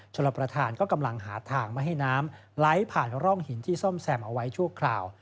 ชลประธานก็กำลังหาทางไม่ให้น้ำไหลผ่านร่องหินที่ซ่อมแซมเอาไว้ชั่วคราว